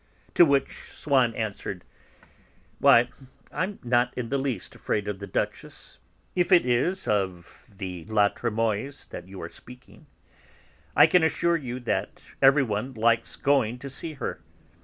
To which Swann answered: "Why, I'm not in the least afraid of the Duchess (if it is of the La Trémoïlles that you're speaking). I can assure you that everyone likes going to see her.